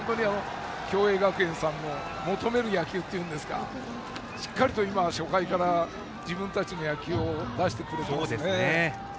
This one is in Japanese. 共栄学園さんも求める野球というんですかしっかりと初回から自分たちの野球を出してくれていますね。